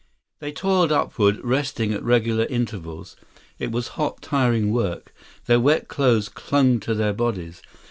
They toiled upward, resting at regular intervals. It was hot, tiring work. Their wet clothes clung to their bodies.